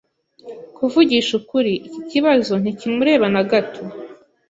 Kuvugisha ukuri, iki kibazo ntikimureba na gato.